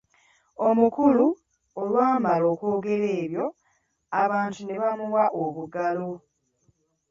Omukulu olwamala okwogera ebyo, abantu ne bamuwa obugalo.